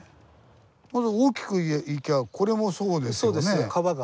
大きくいきゃあこれもそうですよね。